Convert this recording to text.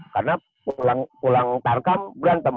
karena pulang tarkam berantem